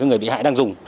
một người bị hại đang dùng